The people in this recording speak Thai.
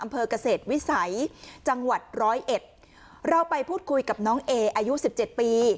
อำเภอกเกษตรวิสัยจังหวัดร้อยเอ็ดเราไปพูดคุยกับน้องเออายุสิบเจ็ดปี